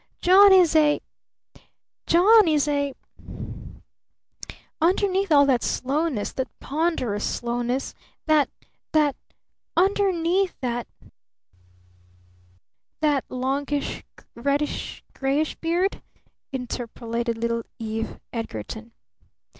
John is a John is a Underneath all that slowness, that ponderous slowness that that Underneath that " "That longish reddish grayish beard?" interpolated little Eve Edgarton.